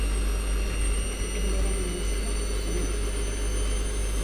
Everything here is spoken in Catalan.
Primera ministra, Smt.